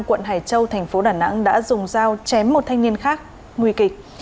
quận hải châu tp đà nẵng đã dùng dao chém một thanh niên khác nguy kịch